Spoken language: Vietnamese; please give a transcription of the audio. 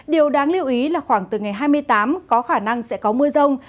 điều đáng lưu ý là khoảng từ ngày hai mươi tám có khả năng sẽ có mưa rông